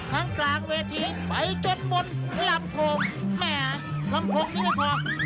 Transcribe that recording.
กลางเวทีไปจนบนลำโพงแหมลำโพงนี้ไม่พอ